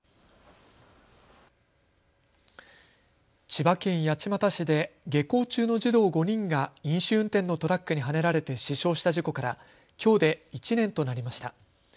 千葉県八街市で下校中の児童５人が飲酒運転のトラックにはねられて死傷した事故からきょうで１年となりました。